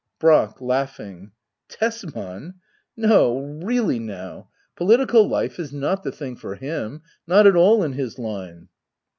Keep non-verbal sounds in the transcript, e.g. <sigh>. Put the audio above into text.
Brack. <laughs> Tesman ? No really now, political life is not the thing for him — not at all in his line.